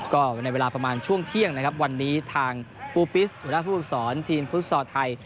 ก็ในเวลาประมาณช่วงเที่ยงนะครับวันนี้ทางปูปิสหัวหน้าผู้ฝึกสอนทีมฟุตซอลไทย